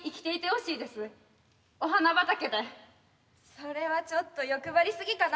それはちょっと欲張りすぎかな。